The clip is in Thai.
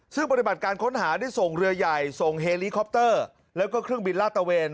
ซึ่งปฏิบัติการค้นหาได้ส่งเรือใหญ่ส่งเฮลีคอปเตอร์แล้วก็เครื่องบินลาดตะเวน